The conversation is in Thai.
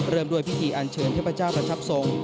เริ่มด้วยพิธีอันเชิญเทพเจ้าประทับทรง